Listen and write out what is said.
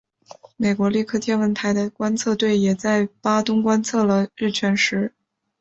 美国利克天文台的观测队也在巴东观测了日全食。